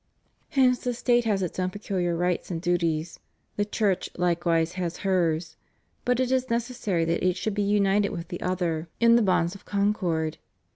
Hence the State has its own peculiar rights and duties, the Church hkewise has hers; but it is necessary that each should be united with the other in the bonds of con 314 THE REUNION OF CHRISTENDOM. cord.